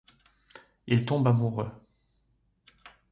Il tombe amoureux.